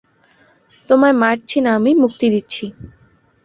তোমায় মারছি না আমি, মুক্তি দিচ্ছি।